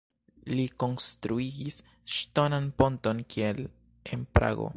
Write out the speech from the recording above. Li konstruigis ŝtonan ponton kiel en Prago.